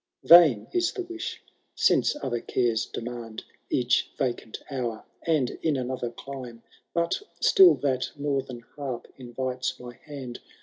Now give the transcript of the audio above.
Vain is the wish — since other cares demand Each vacant hour, and in another clime ; But still that northern harp invites my hand.